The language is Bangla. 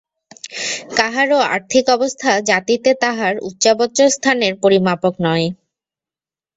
কাহারও আর্থিক অবস্থা জাতিতে তাহার উচ্চাবচ স্থানের পরিমাপক নয়।